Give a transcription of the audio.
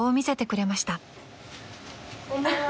こんばんは。